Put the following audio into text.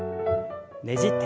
ねじって。